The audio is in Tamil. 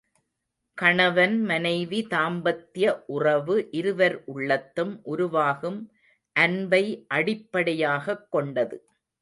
கணவன் மனைவி தாம்பத்ய உறவு இருவர் உள்ளத்தும் உருவாகும் அன்பை அடிப்படையாகக் கொண்டது.